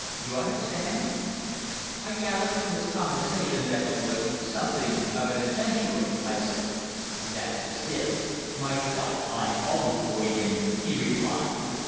You understand." "I gathered from his conversation that he was something of an adventurer," I said. "That's just it. Myself, I always avoid him," he replied.